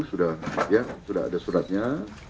sudah ada suratnya